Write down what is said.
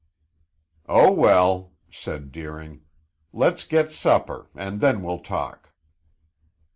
"Oh, well," said Deering. "Let's get supper and then we'll talk."